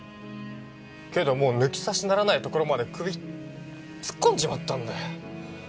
けどもう抜き差しならないところまで首突っ込んじまったんだよ。